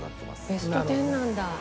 ベスト１０なんだ。